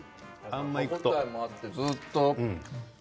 歯応えもあって、ずっと。